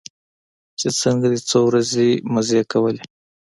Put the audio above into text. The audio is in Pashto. چې څنگه دې څو ورځې مزې کولې.